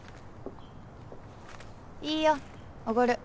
いいよおごる。